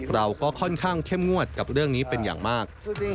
เราก็ค่อนข้างเข้มงวดกับเรื่องนี้เป็นอย่างมาก